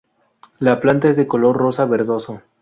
La planta es de color rosa verdoso.